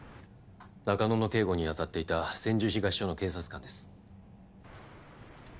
中野の警護にあたっていた千住東署の警察官です。